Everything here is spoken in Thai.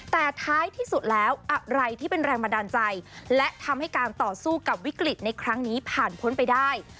แต่ท้ายที่สุดแล้วอะไรที่เป็นแรงบันดาลใจและทำให้การต่อสู้กับวิกฤตในครั้งนี้ผ่านพ้นไปได้